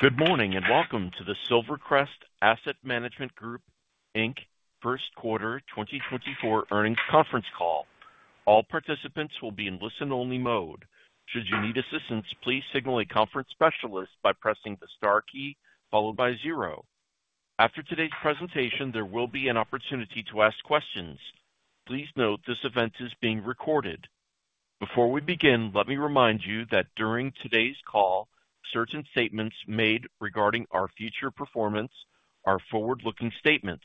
Good morning and welcome to the Silvercrest Asset Management Group, Inc. Q1 2024 earnings conference call. All participants will be in listen-only mode. Should you need assistance, please signal a conference specialist by pressing the star key followed by 0. After today's presentation, there will be an opportunity to ask questions. Please note this event is being recorded. Before we begin, let me remind you that during today's call, certain statements made regarding our future performance are forward-looking statements.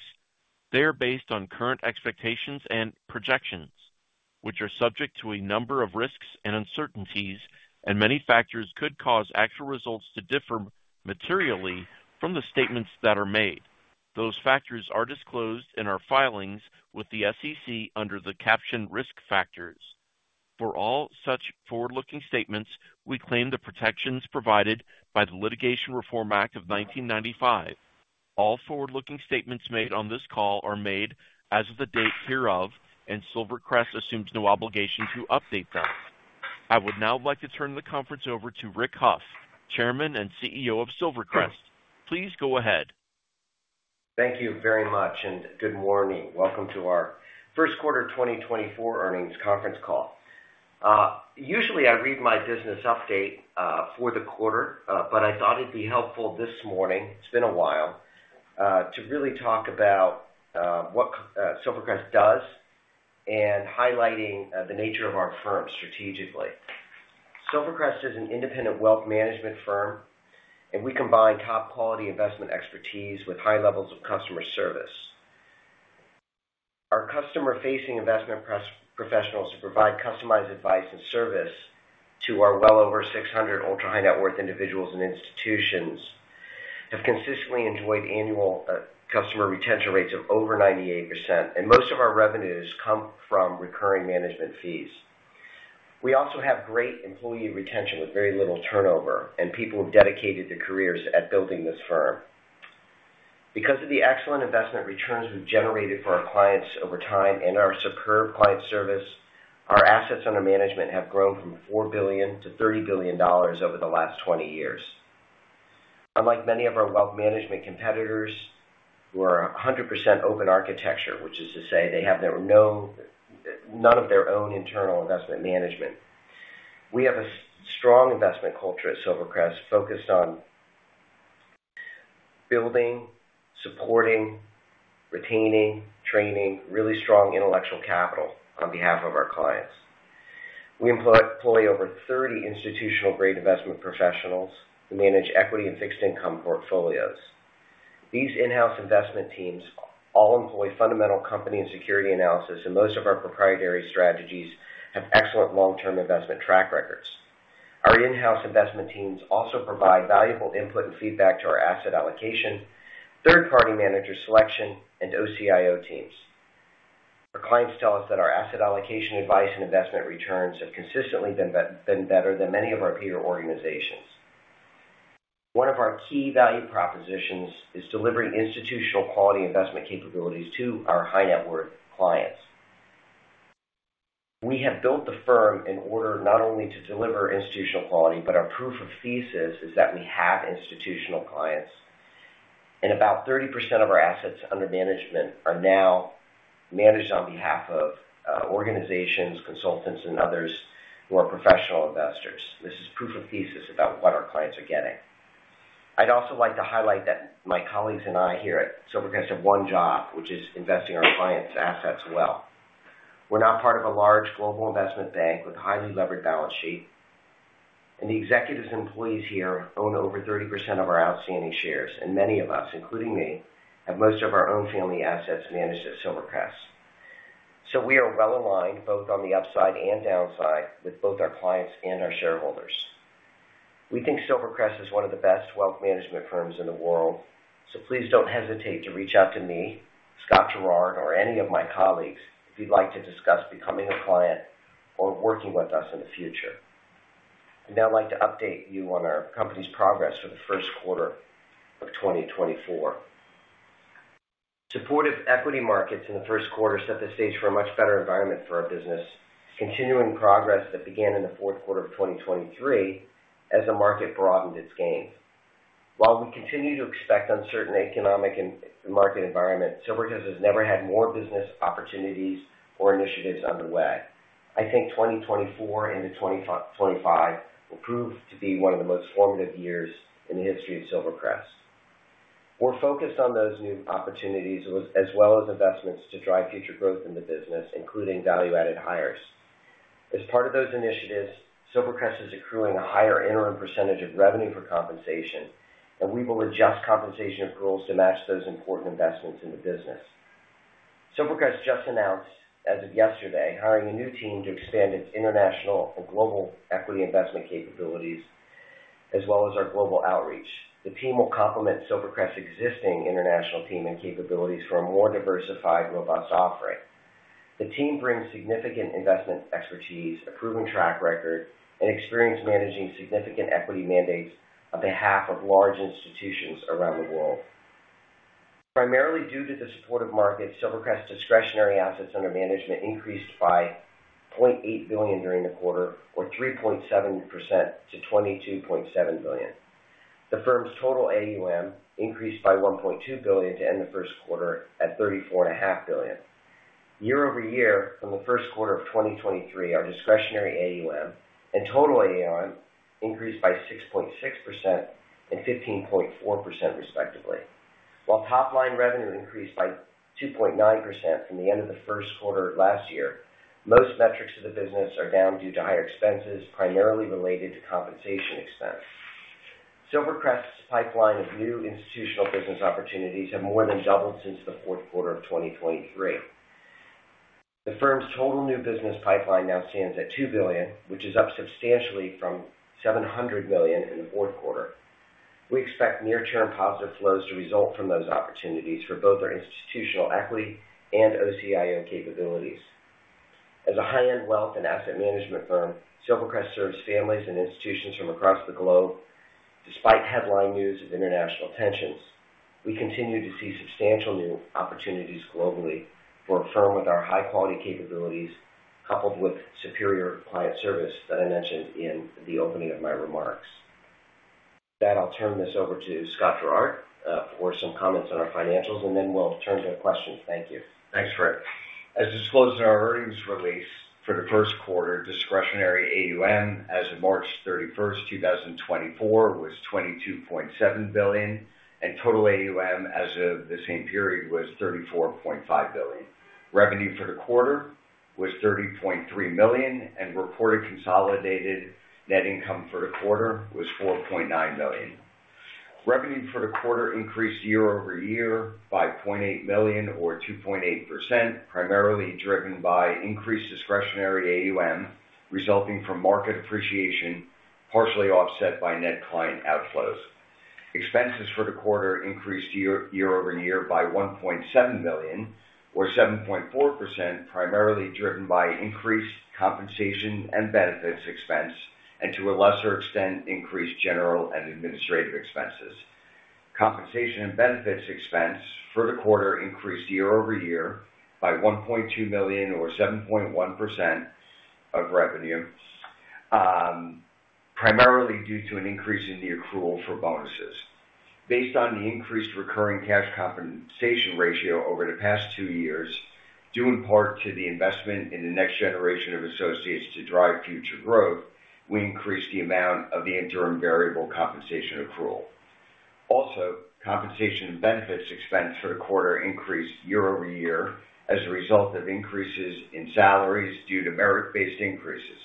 They are based on current expectations and projections, which are subject to a number of risks and uncertainties, and many factors could cause actual results to differ materially from the statements that are made. Those factors are disclosed in our filings with the SEC under the caption "Risk Factors." For all such forward-looking statements, we claim the protections provided by the Litigation Reform Act of 1995. All forward-looking statements made on this call are made as of the date hereof, and Silvercrest assumes no obligation to update them. I would now like to turn the conference over to Rick Hough, Chairman and CEO of Silvercrest. Please go ahead. Thank you very much, and good morning. Welcome to our Q1 2024 earnings conference call. Usually, I read my business update for the quarter, but I thought it'd be helpful this morning, it's been a while, to really talk about what Silvercrest does and highlighting the nature of our firm strategically. Silvercrest is an independent wealth management firm, and we combine top-quality investment expertise with high levels of customer service. Our customer-facing investment professionals who provide customized advice and service to our well over 600 ultra-high-net-worth individuals and institutions have consistently enjoyed annual customer retention rates of over 98%, and most of our revenues come from recurring management fees. We also have great employee retention with very little turnover and people who've dedicated their careers at building this firm. Because of the excellent investment returns we've generated for our clients over time and our superb client service, our assets under management have grown from $4 billion to $30 billion over the last 20 years. Unlike many of our wealth management competitors who are 100% open architecture, which is to say they have none of their own internal investment management, we have a strong investment culture at Silvercrest focused on building, supporting, retaining, training really strong intellectual capital on behalf of our clients. We employ over 30 institutional-grade investment professionals who manage equity and fixed-income portfolios. These in-house investment teams all employ fundamental company and security analysis, and most of our proprietary strategies have excellent long-term investment track records. Our in-house investment teams also provide valuable input and feedback to our asset allocation, third-party manager selection, and OCIO teams. Our clients tell us that our asset allocation advice and investment returns have consistently been better than many of our peer organizations. One of our key value propositions is delivering institutional-quality investment capabilities to our high-net-worth clients. We have built the firm in order not only to deliver institutional quality, but our proof of thesis is that we have institutional clients, and about 30% of our assets under management are now managed on behalf of organizations, consultants, and others who are professional investors. This is proof of thesis about what our clients are getting. I'd also like to highlight that my colleagues and I here at Silvercrest have one job, which is investing our clients' assets well. We're not part of a large global investment bank with a highly levered balance sheet, and the executive's employees here own over 30% of our outstanding shares, and many of us, including me, have most of our own family assets managed at Silvercrest. So we are well aligned both on the upside and downside with both our clients and our shareholders. We think Silvercrest is one of the best wealth management firms in the world, so please don't hesitate to reach out to me, Scott Gerard, or any of my colleagues if you'd like to discuss becoming a client or working with us in the future. I'd now like to update you on our company's progress for the Q1 of 2024. Supportive equity markets in the Q1 set the stage for a much better environment for our business, continuing progress that began in the Q4 of 2023 as the market broadened its gains. While we continue to expect uncertain economic and market environments, Silvercrest has never had more business opportunities or initiatives underway. I think 2024 into 2025 will prove to be one of the most formative years in the history of Silvercrest. We're focused on those new opportunities as well as investments to drive future growth in the business, including value-added hires. As part of those initiatives, Silvercrest is accruing a higher interim percentage of revenue for compensation, and we will adjust compensation accruals to match those important investments in the business. Silvercrest just announced, as of yesterday, hiring a new team to expand its international and global equity investment capabilities as well as our global outreach. The team will complement Silvercrest's existing international team and capabilities for a more diversified, robust offering. The team brings significant investment expertise, a proven track record, and experience managing significant equity mandates on behalf of large institutions around the world. Primarily due to the supportive markets, Silvercrest's discretionary assets under management increased by $0.8 billion during the quarter, or 3.7% to $22.7 billion. The firm's total AUM increased by $1.2 billion to end the Q1 at $34.5 billion. Year-over-year, from the Q1 of 2023, our discretionary AUM and total AUM increased by 6.6% and 15.4%, respectively. While top-line revenue increased by 2.9% from the end of the Q1 last year, most metrics of the business are down due to higher expenses, primarily related to compensation expense. Silvercrest's pipeline of new institutional business opportunities have more than doubled since the Q4 of 2023. The firm's total new business pipeline now stands at $2 billion, which is up substantially from $700 million in the Q4. We expect near-term positive flows to result from those opportunities for both our institutional equity and OCIO capabilities. As a high-end wealth and asset management firm, Silvercrest serves families and institutions from across the globe. Despite headline news of international tensions, we continue to see substantial new opportunities globally for a firm with our high-quality capabilities coupled with superior client service that I mentioned in the opening of my remarks. With that, I'll turn this over to Scott Gerard for some comments on our financials, and then we'll turn to questions. Thank you. Thanks, Rick. As disclosed in our earnings release for the Q1, discretionary AUM as of March 31st, 2024, was $22.7 billion, and total AUM as of the same period was $34.5 billion. Revenue for the quarter was $30.3 million, and reported consolidated net income for the quarter was $4.9 million. Revenue for the quarter increased year-over-year by $0.8 million, or 2.8%, primarily driven by increased discretionary AUM resulting from market appreciation, partially offset by net client outflows. Expenses for the quarter increased year-over-year by $1.7 million, or 7.4%, primarily driven by increased compensation and benefits expense and, to a lesser extent, increased general and administrative expenses. Compensation and benefits expense for the quarter increased year-over-year by $1.2 million, or 7.1% of revenue, primarily due to an increase in the accrual for bonuses. Based on the increased recurring cash compensation ratio over the past 2 years, due in part to the investment in the next generation of associates to drive future growth, we increased the amount of the interim variable compensation accrual. Also, compensation and benefits expense for the quarter increased year-over-year as a result of increases in salaries due to merit-based increases.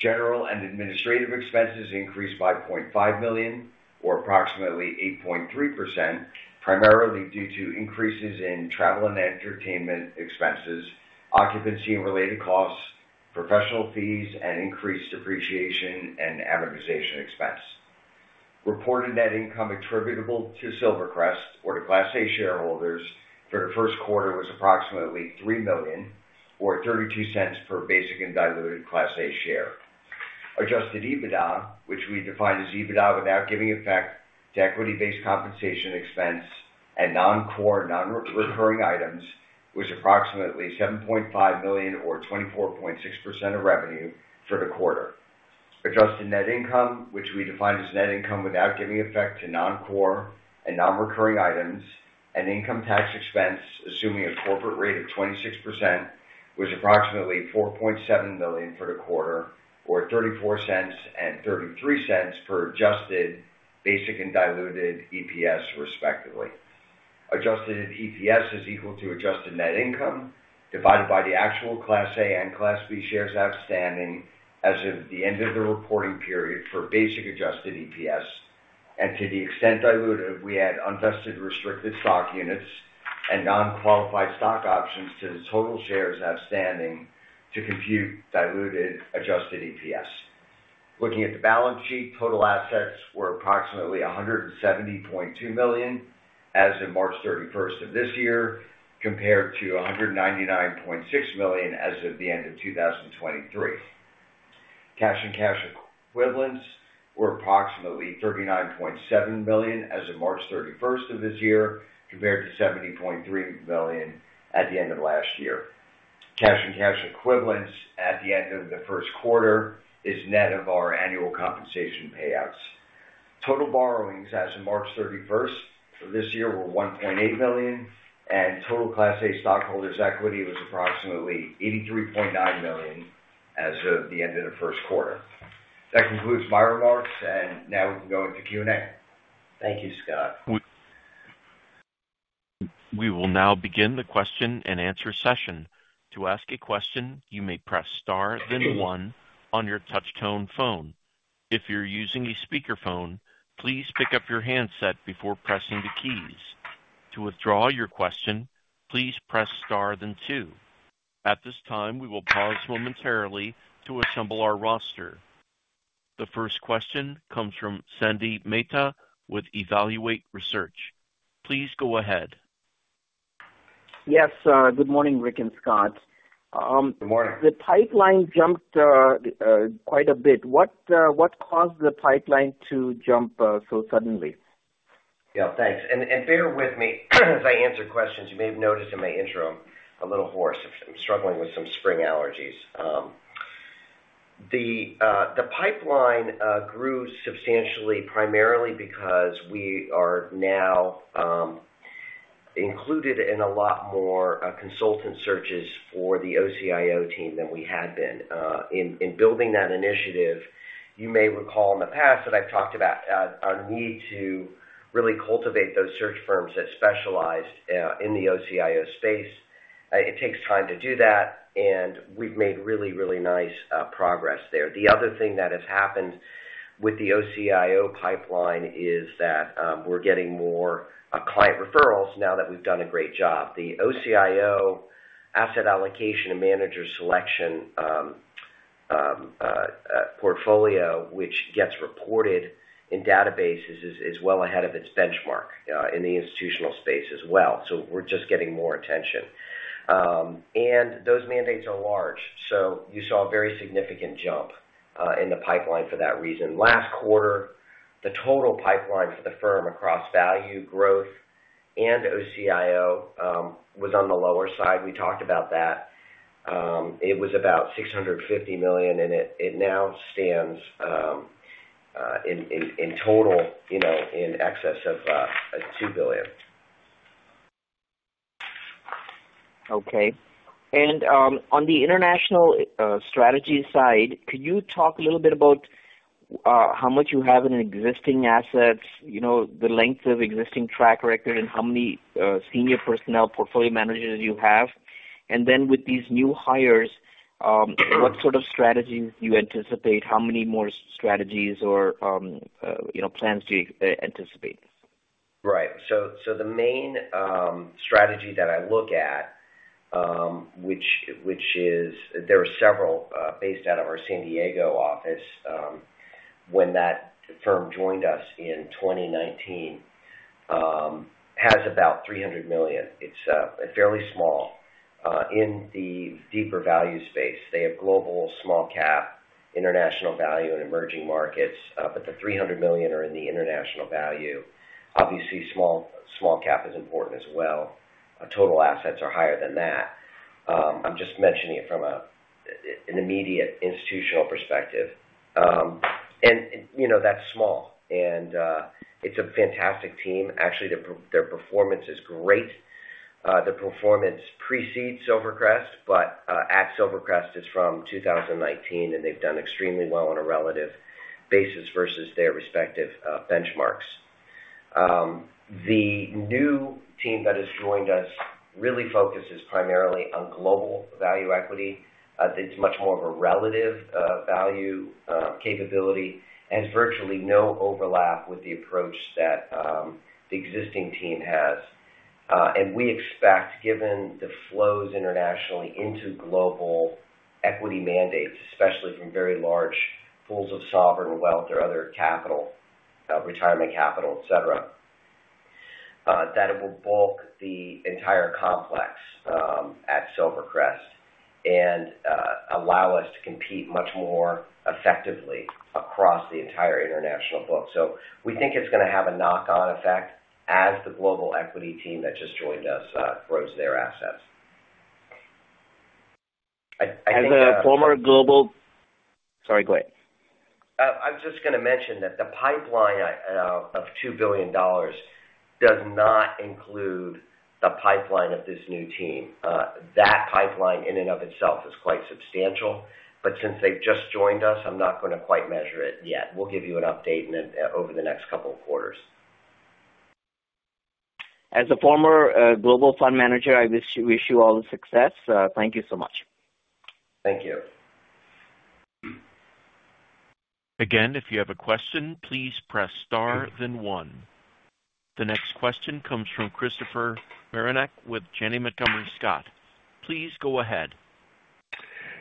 General and administrative expenses increased by $0.5 million, or approximately 8.3%, primarily due to increases in travel and entertainment expenses, occupancy-related costs, professional fees, and increased depreciation and amortization expense. Reported net income attributable to Silvercrest or to Class A shareholders for the Q1 was approximately $3 million, or $0.32 per basic and diluted Class A share. Adjusted EBITDA, which we define as EBITDA without giving effect to equity-based compensation expense and non-core, non-recurring items, was approximately $7.5 million, or 24.6%, of revenue for the quarter. Adjusted Net Income, which we define as net income without giving effect to non-core and non-recurring items and income tax expense assuming a corporate rate of 26%, was approximately $4.7 million for the quarter, or $0.34 and $0.33 per Adjusted Basic and Diluted EPS, respectively. Adjusted EPS is equal to Adjusted Net Income divided by the actual Class A and Class B shares outstanding as of the end of the reporting period for basic Adjusted EPS, and to the extent diluted, we add unvested restricted stock units and non-qualified stock options to the total shares outstanding to compute diluted Adjusted EPS. Looking at the balance sheet, total assets were approximately $170.2 million as of March 31st of this year compared to $199.6 million as of the end of 2023. Cash and cash equivalents were approximately $39.7 million as of March 31st of this year compared to $70.3 million at the end of last year. Cash and cash equivalents at the end of the Q1 is net of our annual compensation payouts. Total borrowings as of March 31st of this year were $1.8 million, and total Class A stockholders' equity was approximately $83.9 million as of the end of the Q1. That concludes my remarks, and now we can go into Q&A. Thank you, Scott. We will now begin the question-and-answer session. To ask a question, you may press star, then 1 on your touch-tone phone. If you're using a speakerphone, please pick up your handset before pressing the keys. To withdraw your question, please press star, then 2. At this time, we will pause momentarily to assemble our roster. The first question comes from Sandy Mehta with Evaluate Research. Please go ahead. Yes. Good morning, Rick and Scott. Good morning. The pipeline jumped quite a bit. What caused the pipeline to jump so suddenly? Yeah. Thanks. And bear with me as I answer questions. You may have noticed in my interim a little hoarse. I'm struggling with some spring allergies. The pipeline grew substantially primarily because we are now included in a lot more consultant searches for the OCIO team than we had been. In building that initiative, you may recall in the past that I've talked about our need to really cultivate those search firms that specialized in the OCIO space. It takes time to do that, and we've made really, really nice progress there. The other thing that has happened with the OCIO pipeline is that we're getting more client referrals now that we've done a great job. The OCIO asset allocation and manager selection portfolio, which gets reported in databases, is well ahead of its benchmark in the institutional space as well. So we're just getting more attention. Those mandates are large, so you saw a very significant jump in the pipeline for that reason. Last quarter, the total pipeline for the firm across value, growth and OCIO was on the lower side. We talked about that. It was about $650 million, and it now stands in total in excess of $2 billion. Okay. And on the international strategy side, could you talk a little bit about how much you have in existing assets, the length of existing track record, and how many senior personnel portfolio managers you have? And then with these new hires, what sort of strategies do you anticipate? How many more strategies or plans do you anticipate? Right. So the main strategy that I look at, which is there are several based out of our San Diego office when that firm joined us in 2019, has about $300 million. It's fairly small. In the deeper value space, they have global, small cap, international value, and emerging markets, but the $300 million are in the international value. Obviously, small cap is important as well. Total assets are higher than that. I'm just mentioning it from an immediate institutional perspective. And that's small, and it's a fantastic team. Actually, their performance is great. Their performance precedes Silvercrest, but at Silvercrest, it's from 2019, and they've done extremely well on a relative basis versus their respective benchmarks. The new team that has joined us really focuses primarily on global value equity. It's much more of a relative value capability. It has virtually no overlap with the approach that the existing team has. And we expect, given the flows internationally into global equity mandates, especially from very large pools of sovereign wealth or other capital, retirement capital, etc., that it will bulk the entire complex at Silvercrest and allow us to compete much more effectively across the entire international book. So we think it's going to have a knock-on effect as the global equity team that just joined us grows their assets. I think that. As a former global, sorry, go ahead. I was just going to mention that the pipeline of $2 billion does not include the pipeline of this new team. That pipeline in and of itself is quite substantial, but since they've just joined us, I'm not going to quite measure it yet. We'll give you an update over the next couple of quarters. As a former global fund manager, I wish you all the success. Thank you so much. Thank you. Again, if you have a question, please press star, then 1. The next question comes from Christopher Marinac with Janney Montgomery Scott. Please go ahead.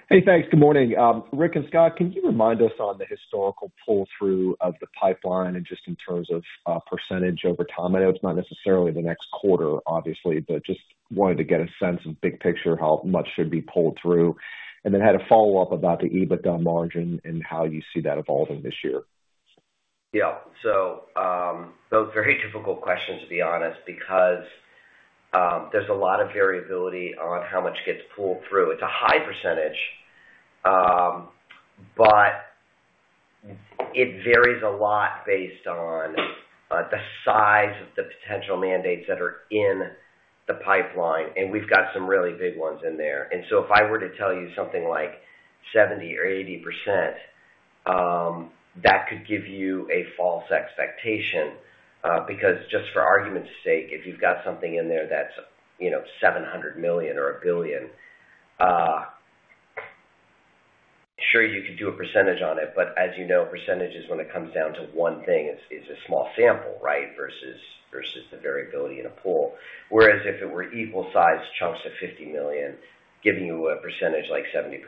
Hey. Thanks. Good morning. Rick and Scott, can you remind us on the historical pull-through of the pipeline and just in terms of percentage over time? I know it's not necessarily the next quarter, obviously, but just wanted to get a sense of big picture how much should be pulled through. And then had a follow-up about the EBITDA margin and how you see that evolving this year. Yeah. So those are very difficult questions, to be honest, because there's a lot of variability on how much gets pulled through. It's a high percentage, but it varies a lot based on the size of the potential mandates that are in the pipeline. And we've got some really big ones in there. And so if I were to tell you something like 70% or 80%, that could give you a false expectation because just for argument's sake, if you've got something in there that's $700 million or $1 billion, sure, you could do a percentage on it. But as you know, percentages when it comes down to one thing is a small sample, right, versus the variability in a pool. Whereas if it were equal-sized chunks of $50 million, giving you a percentage like 70%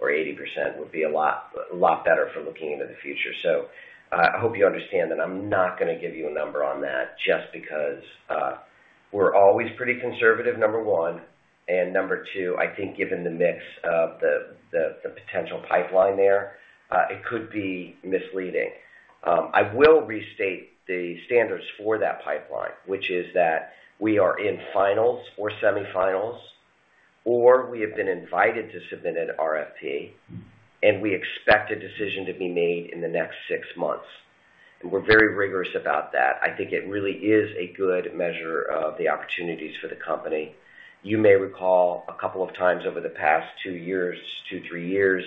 or 80% would be a lot better for looking into the future. So I hope you understand that I'm not going to give you a number on that just because we're always pretty conservative, number one. And number two, I think given the mix of the potential pipeline there, it could be misleading. I will restate the standards for that pipeline, which is that we are in finals or semifinals, or we have been invited to submit an RFP, and we expect a decision to be made in the next six months. And we're very rigorous about that. I think it really is a good measure of the opportunities for the company. You may recall a couple of times over the past two years, two, three years,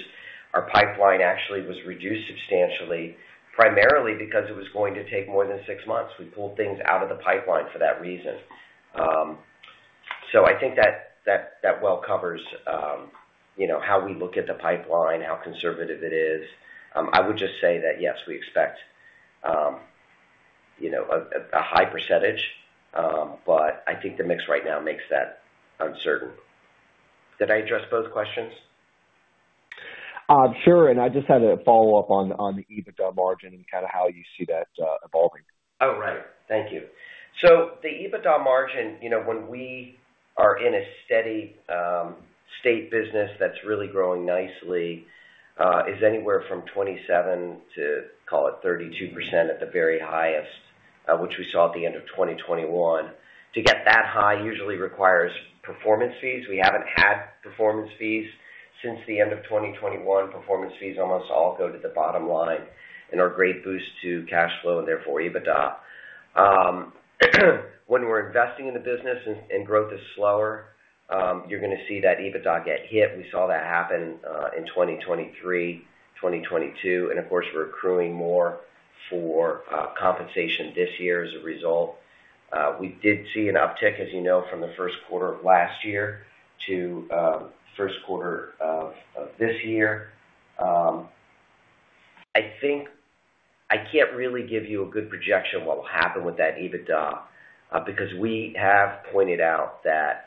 our pipeline actually was reduced substantially primarily because it was going to take more than six months. We pulled things out of the pipeline for that reason. So I think that well covers how we look at the pipeline, how conservative it is. I would just say that, yes, we expect a high percentage, but I think the mix right now makes that uncertain. Did I address both questions? Sure. I just had a follow-up on the EBITDA margin and kind of how you see that evolving. Oh, right. Thank you. So the EBITDA margin, when we are in a steady state business that's really growing nicely, is anywhere from 27% to, call it, 32% at the very highest, which we saw at the end of 2021. To get that high usually requires performance fees. We haven't had performance fees since the end of 2021. Performance fees almost all go to the bottom line and are a great boost to cash flow and therefore EBITDA. When we're investing in the business and growth is slower, you're going to see that EBITDA get hit. We saw that happen in 2023, 2022. And of course, we're accruing more for compensation this year as a result. We did see an uptick, as you know, from the Q1 of last year to Q1 of this year. I can't really give you a good projection of what will happen with that EBITDA because we have pointed out that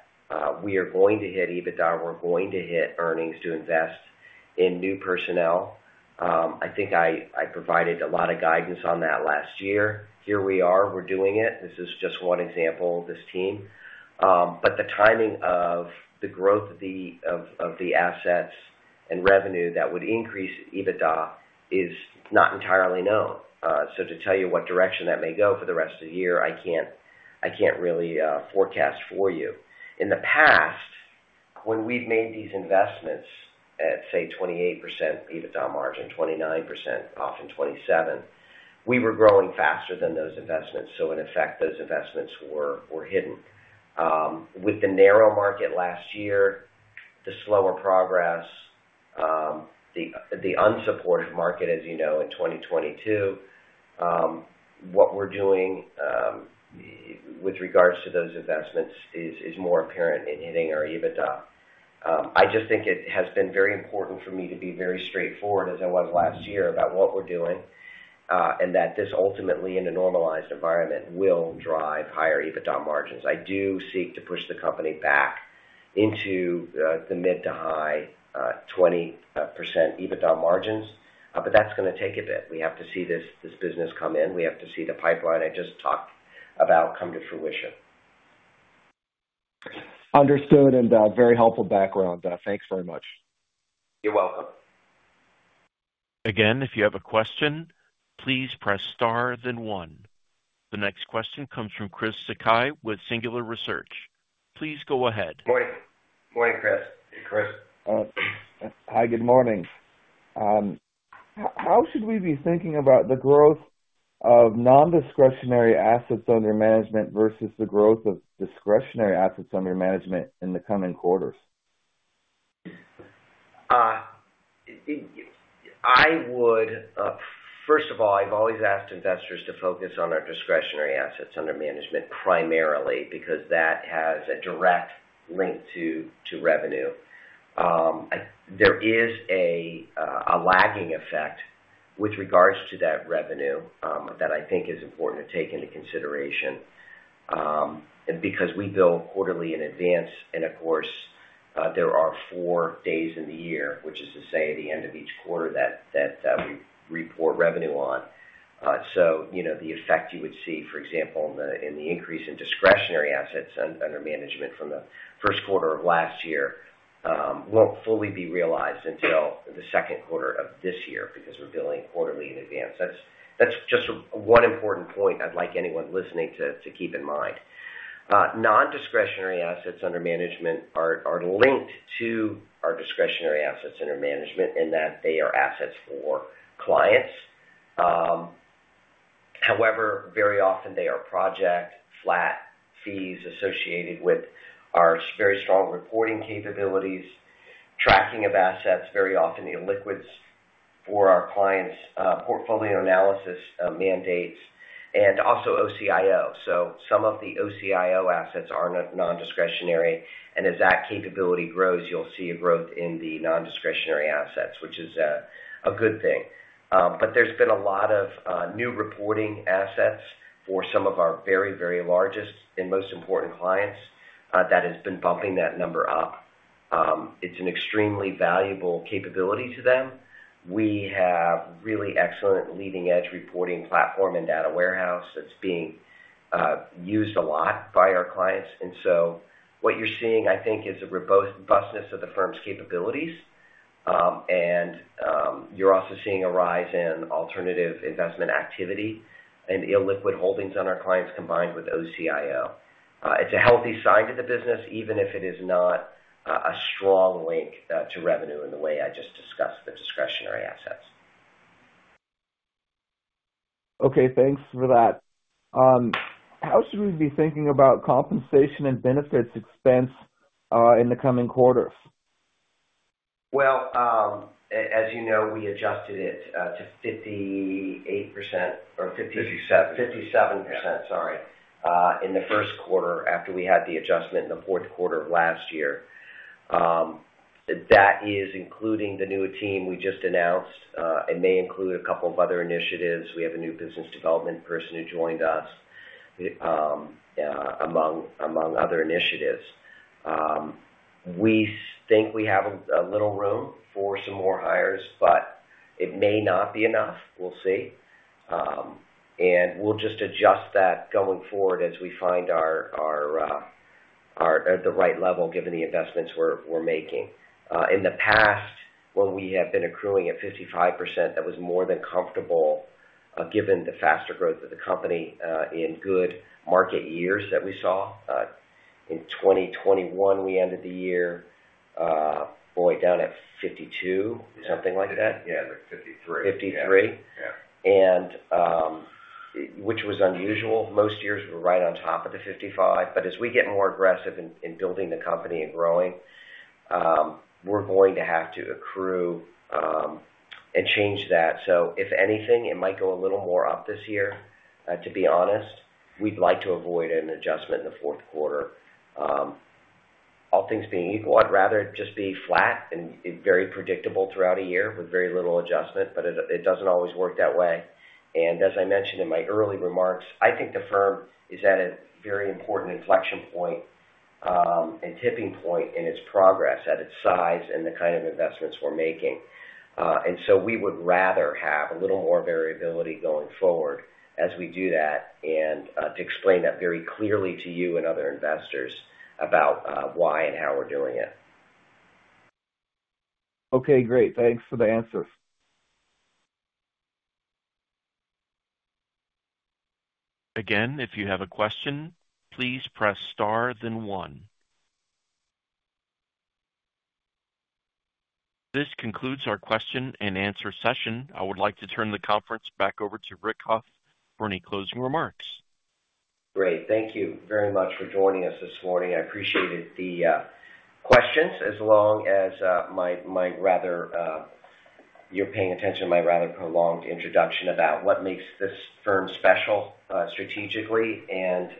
we are going to hit EBITDA. We're going to hit earnings to invest in new personnel. I think I provided a lot of guidance on that last year. Here we are. We're doing it. This is just one example, this team. But the timing of the growth of the assets and revenue that would increase EBITDA is not entirely known. So to tell you what direction that may go for the rest of the year, I can't really forecast for you. In the past, when we've made these investments at, say, 28% EBITDA margin, 29%, often 27%, we were growing faster than those investments. So in effect, those investments were hidden. With the narrow market last year, the slower progress, the unsupported market, as you know, in 2022, what we're doing with regards to those investments is more apparent in hitting our EBITDA. I just think it has been very important for me to be very straightforward as I was last year about what we're doing and that this ultimately, in a normalized environment, will drive higher EBITDA margins. I do seek to push the company back into the mid- to high-20% EBITDA margins, but that's going to take a bit. We have to see this business come in. We have to see the pipeline I just talked about come to fruition. Understood and very helpful background. Thanks very much. You're welcome. Again, if you have a question, please press star, then 1. The next question comes from Christopher Sakai with Singular Research. Please go ahead. Morning. Morning, Christopher. Hi, good morning. How should we be thinking about the growth of nondiscretionary assets under management versus the growth of discretionary assets under management in the coming quarters? First of all, I've always asked investors to focus on their discretionary assets under management primarily because that has a direct link to revenue. There is a lagging effect with regards to that revenue that I think is important to take into consideration because we bill quarterly in advance. And of course, there are four days in the year, which is to say the end of each quarter that we report revenue on. So the effect you would see, for example, in the increase in discretionary assets under management from the Q1 of last year won't fully be realized until the Q2 of this year because we're billing quarterly in advance. That's just one important point I'd like anyone listening to keep in mind. Nondiscretionary assets under management are linked to our discretionary assets under management in that they are assets for clients. However, very often, they are project flat fees associated with our very strong reporting capabilities, tracking of assets, very often illiquids for our clients, portfolio analysis mandates, and also OCIO. So some of the OCIO assets are nondiscretionary. And as that capability grows, you'll see a growth in the nondiscretionary assets, which is a good thing. But there's been a lot of new reporting assets for some of our very, very largest and most important clients that has been bumping that number up. It's an extremely valuable capability to them. We have really excellent leading-edge reporting platform and data warehouse that's being used a lot by our clients. And so what you're seeing, I think, is a robustness of the firm's capabilities. And you're also seeing a rise in alternative investment activity and illiquid holdings on our clients combined with OCIO. It's a healthy sign to the business, even if it is not a strong link to revenue in the way I just discussed the discretionary assets. Okay. Thanks for that. How should we be thinking about compensation and benefits expense in the coming quarters? Well, as you know, we adjusted it to 58% or 57%. 57. 57%, sorry, in the Q1 after we had the adjustment in the Q4 of last year. That is including the new team we just announced. It may include a couple of other initiatives. We have a new business development person who joined us among other initiatives. We think we have a little room for some more hires, but it may not be enough. We'll see. And we'll just adjust that going forward as we find the right level given the investments we're making. In the past, when we have been accruing at 55%, that was more than comfortable given the faster growth of the company in good market years that we saw. In 2021, we ended the year, boy, down at 52%, something like that. Yeah. Like 53. 53, which was unusual. Most years were right on top of the 55. But as we get more aggressive in building the company and growing, we're going to have to accrue and change that. So if anything, it might go a little more up this year. To be honest, we'd like to avoid an adjustment in the Q4. All things being equal, I'd rather it just be flat and very predictable throughout a year with very little adjustment. But it doesn't always work that way. And as I mentioned in my early remarks, I think the firm is at a very important inflection point and tipping point in its progress, at its size and the kind of investments we're making. We would rather have a little more variability going forward as we do that and to explain that very clearly to you and other investors about why and how we're doing it. Okay. Great. Thanks for the answers. Again, if you have a question, please press star, then 1. This concludes our question and answer session. I would like to turn the conference back over to Rick Hough for any closing remarks. Great. Thank you very much for joining us this morning. I appreciated the questions as long as you're paying attention to my rather prolonged introduction about what makes this firm special strategically and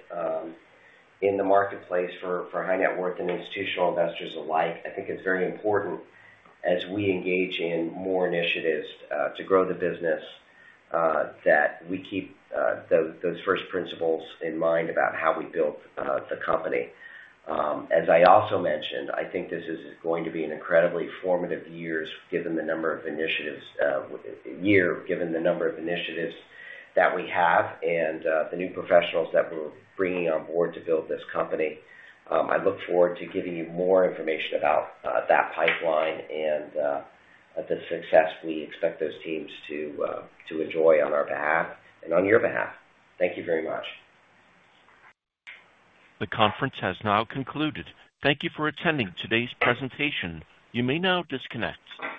in the marketplace for high-net-worth and institutional investors alike. I think it's very important as we engage in more initiatives to grow the business that we keep those first principles in mind about how we built the company. As I also mentioned, I think this is going to be an incredibly formative year given the number of initiatives that we have and the new professionals that we're bringing on board to build this company. I look forward to giving you more information about that pipeline and the success we expect those teams to enjoy on our behalf and on your behalf. Thank you very much. The conference has now concluded. Thank you for attending today's presentation. You may now disconnect.